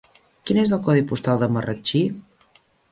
Quin és el codi postal de Marratxí?